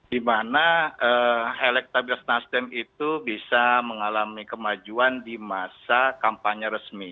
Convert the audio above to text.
di mana elektabilitas nasdem itu bisa mengalami kemajuan di masa kampanye resmi